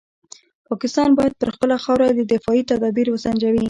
پاکستان باید پر خپله خاوره دفاعي تدابیر وسنجوي.